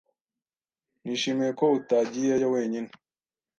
Nishimiye ko utagiyeyo wenyine.